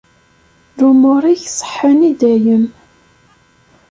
Lumuṛ-ik ṣeḥḥan i dayem.